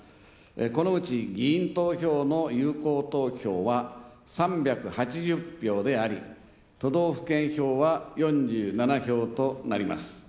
このうち議員投票の有効投票は３８０票であり都道府県票は４７票となります。